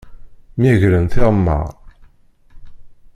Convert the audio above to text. Myegren tiɣemmaṛ.